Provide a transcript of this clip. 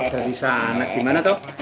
dari sana gimana toh